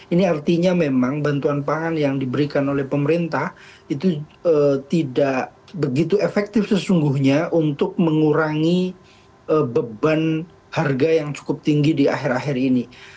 ini artinya memang bantuan pangan yang diberikan oleh pemerintah itu tidak begitu efektif sesungguhnya untuk mengurangi beban harga yang cukup tinggi di akhir akhir ini